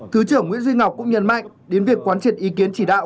thứ trưởng nguyễn duy ngọc cũng nhận mạnh đến việc quan triệt ý kiến chỉ đạo